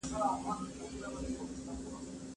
زه اوږده وخت مځکي ته ګورم وم؟